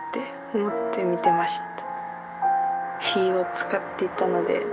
思って見てました。